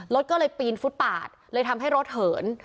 รถก็เลยปีนฟุตปาดเลยทำให้รถเหิน